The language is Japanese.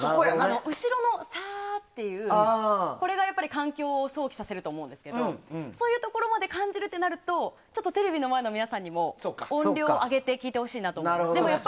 後ろの、サーッていう音が環境を想起させると思うんですけどそういうところまで感じるとなるとテレビの前の皆さんにも音量を上げて聴いていただきたいなと。